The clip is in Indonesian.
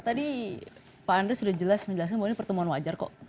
saya rasa tadi pak andri sudah jelas menjelaskan bahwa ini pertemuan wajar kok